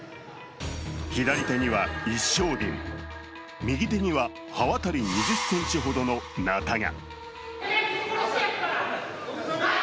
左手には一升瓶、右手には刃渡り２０ｃｍほどのなたが。